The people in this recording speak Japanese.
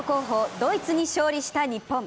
ドイツに勝利した日本。